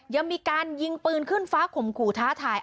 ยังมีการยิงปืนขึ้นฟ้าข่มขู่ท้าทาย